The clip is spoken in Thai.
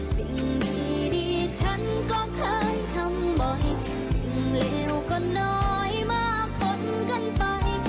สิ่งดีฉันก็เคยทำบ่อยสิ่งเลวก็น้อยมากปนกันไป